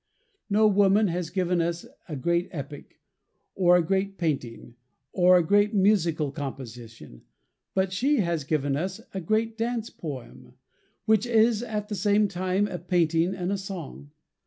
No woman has given us a great epic, or a great painting, or a great musical composition, but she has given us a great dance poem, which is at the same time a painting and a song.